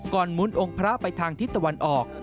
หมุนองค์พระไปทางทิศตะวันออก